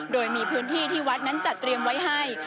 โดยมีพื้นที่ที่วัดนั้นจัดเตรียมไว้ให้